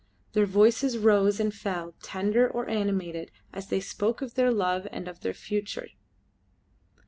Their voices rose and fell, tender or animated as they spoke of their love and of their future.